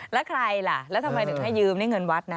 แล้วใครล่ะแล้วทำไมถึงให้ยืมนี่เงินวัดนะ